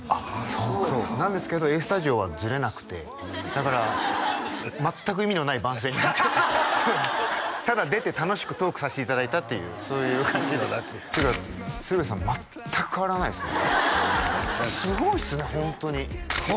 そうかそうかそうなんですけど「ＡＳＴＵＤＩＯ＋」はずれなくてだから全く意味のない番宣になっちゃったただ出て楽しくトークさせていただいたっていうそういう感じでしたっていうか鶴瓶さん全く変わらないですね何が？